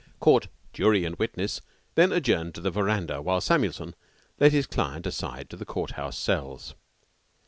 Court, jury, and witness then adjourned to the veranda, while Samuelson led his client aside to the Court House cells.